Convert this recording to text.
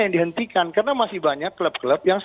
yang dihentikan karena masih banyak klub klub yang